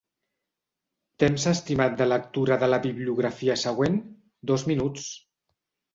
Temps estimat de lectura de la bibliografia següent: dos minuts.